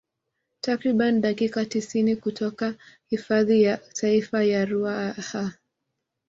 Takriban dakika tisini kutoka hifadhi ya taifa ya Ruaha